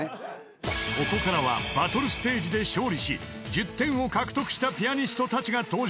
［ここからはバトルステージで勝利し１０点を獲得したピアニストたちが登場］